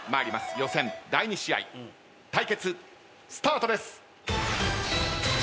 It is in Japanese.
予選第２試合対決スタートです。